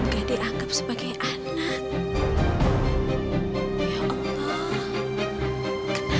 gak dianggap sebagai anak